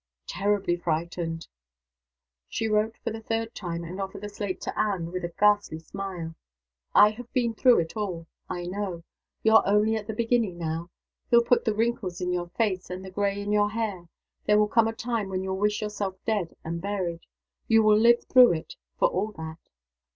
_" "Terribly frightened." She wrote for the third time, and offered the slate to Anne with a ghastly smile: "I have been through it all. I know. You're only at the beginning now. He'll put the wrinkles in your face, and the gray in your hair. There will come a time when you'll wish yourself dead and buried. You will live through it, for all that.